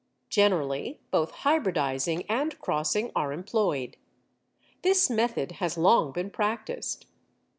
Generally both hybridizing and crossing are employed. This method has long been practised.